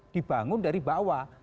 dibangun dari bawah